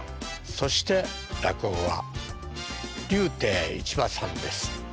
そして落語が柳亭市馬さんです。